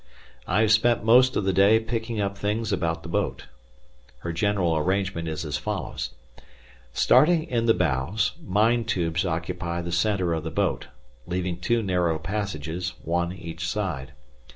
I have spent most of the day picking up things about the boat. Her general arrangement is as follows: Starting in the bows, mine tubes occupy the centre of the boat, leaving two narrow passages, one each side.